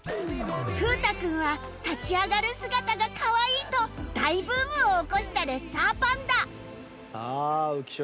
風太くんは立ち上がる姿がかわいいと大ブームを起こしたレッサーパンダさあ浮所